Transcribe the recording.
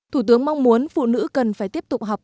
thủ tướng mong muốn phụ nữ cần phải tiếp tục học